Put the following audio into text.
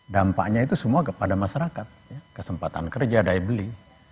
dampaknya itu semua kepada masyarakat kesempatan kerja daya beli